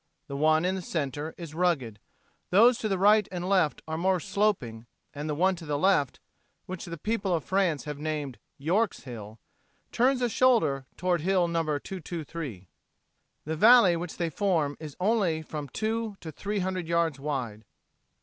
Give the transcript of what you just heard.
The one in the center is rugged. Those to the right and left are more sloping, and the one to the left which the people of France have named "York's Hill" turns a shoulder toward Hill No. 223. The valley which they form is only from two to three hundred yards wide.